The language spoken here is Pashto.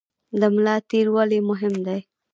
د ملا تیر ولې مهم دی؟